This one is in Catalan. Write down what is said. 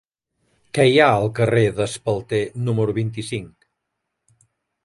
Què hi ha al carrer d'Espalter número vint-i-cinc?